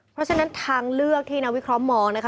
เพราะฉะนั้นทางเลือกที่นักวิเคราะห์มองนะคะ